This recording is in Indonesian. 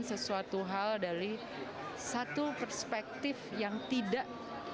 sesuatu hal dari satu perspektif yang tidak